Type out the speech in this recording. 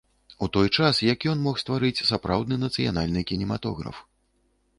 У той час як ён мог стварыць сапраўдны нацыянальны кінематограф.